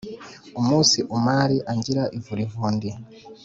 Umunsi umari angira ivurivundi